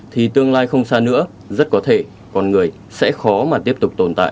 thì tương lai không xa nữa rất có thể con người sẽ khó mà tiếp tục tồn tại trên hành tinh này